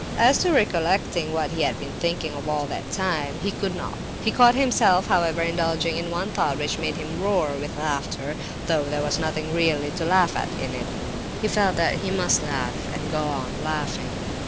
As to recollecting what he had been thinking of all that time, he could not. He caught himself, however, indulging in one thought which made him roar with laughter, though there was nothing really to laugh at in it; but he felt that he must laugh, and go on laughing.